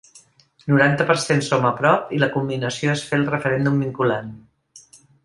Noranta per cent Som a prop, i la culminació és fer el referèndum vinculant.